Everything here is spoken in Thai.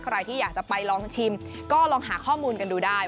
ใครที่อยากจะไปลองชิมก็ลองหาข้อมูลกันดูได้